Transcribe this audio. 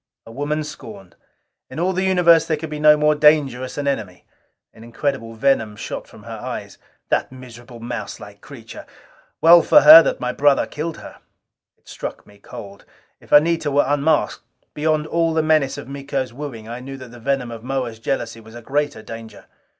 A woman scorned! In all the universe there could be no more dangerous an enemy. An incredible venom shot from her eyes. "That miserable mouselike creature! Well for her that my brother killed her." It struck me cold. If Anita were unmasked, beyond all the menace of Miko's wooing, I knew that the venom of Moa's jealousy was a greater danger.